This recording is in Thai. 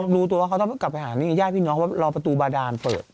รู้ตัวว่าเขาต้องกลับไปหานี่ญาติพี่น้องว่ารอประตูบาดานเปิด